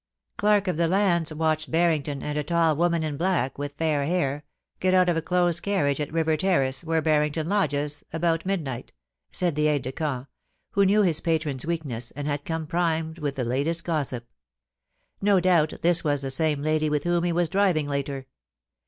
* Clark, of the Lands, watched Barrington, and a tall woman in black, with fair hair, get out of a close carriage at River Terrace, where Barrington lodges, about midnight,' said the aide de camp, who knew his patron's weakness, and had come primed with the latest gossip. ' No doubt this was the same lady with whom he was driving later.